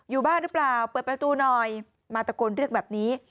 อยู่บ้านหรือเปล่าเปิดประตูหน่อยมาตะโกนเรียกแบบนี้